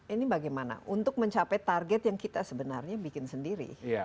ini bagaimana untuk mencapai target yang kita sebenarnya bikin sendiri